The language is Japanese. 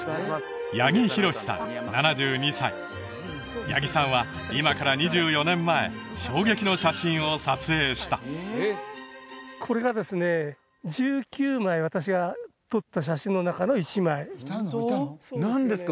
八木博さん７２歳八木さんは今から２４年前衝撃の写真を撮影したこれがですね１９枚私が撮った写真の中の１枚何ですか？